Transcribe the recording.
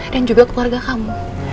dan juga keluarga kamu